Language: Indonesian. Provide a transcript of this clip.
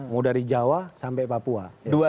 mau dari jawa sampai papua